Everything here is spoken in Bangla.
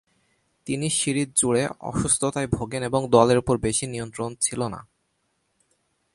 তিনি সিরিজ জুড়ে অসুস্থতায় ভোগেন এবং দলের উপর বেশি নিয়ন্ত্রণ ছিল না।